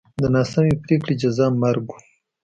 د ناسمې پرېکړې جزا مرګ و.